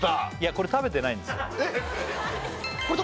これ食べてないです